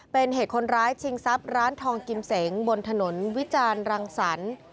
เป็นเหตุคนร้ายชิงทรัพย์ร้านทองกิมเสงบนถนนวิจารณ์รังสรรค์